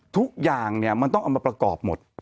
ทุกอย่างเนี่ยมันต้องเอามาประกอบหมด